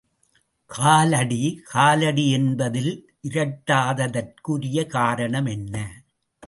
கால் அடி காலடி என்பதில் ல் இரட்டாததற்கு உரிய காரணம் என்ன?